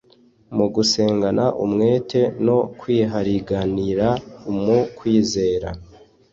Mu gusengana umwete no kwihariganira mu kwizera ;